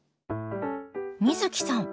美月さん